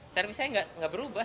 servicenya gak berubah